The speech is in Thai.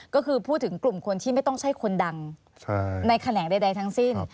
ก็คือพูดถึงกลุ่มคนที่ไม่ต้องใช่คนดังในแขนงใดทั้งสิ้น